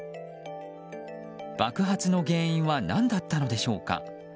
爆発の原因はなんだったのでしょうか。